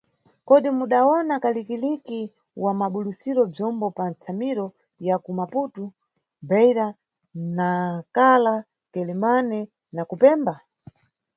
Kodi mudawona kaliki-liki wa mabulusidwe bzombo pa matsamiro ya ku Maputo, Beira, Nacla, Quelimane na ku Pemba?